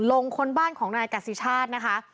ลงคนบ้านของนายกัสซีชาตินะฮะ